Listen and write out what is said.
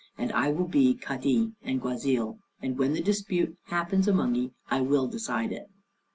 And I will be cadi and guazil, and when dispute happens among ye I will decide it."